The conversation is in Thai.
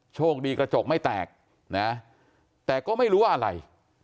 โชคดีกระจกไม่แตกนะแต่ก็ไม่รู้ว่าอะไร